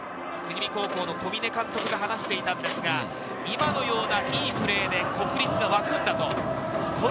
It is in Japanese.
かつて国見高校の小嶺監督が話していたんですが、今のようないいプレーで国立が沸くんだと。